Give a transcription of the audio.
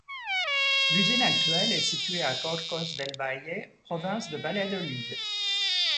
L’usine actuelle est située à Corcos del Valle, province de Valladolid.